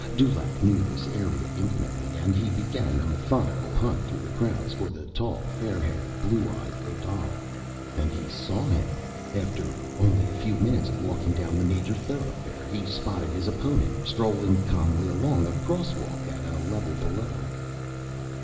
Dulaq knew the area intimately, and he began a methodical hunt through the crowds for the tall, fair haired, blue eyed Odal. And he saw him! After only a few minutes of walking down the major thoroughfare, he spotted his opponent, strolling calmly along a crosswalk, at the level below.